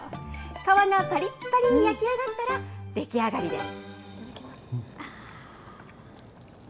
皮がぱりっぱりに焼き上がったら出来上がりです。